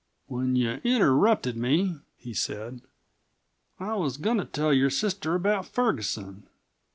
"When you interrupted me," he said, "I was goin' to tell your sister about Ferguson.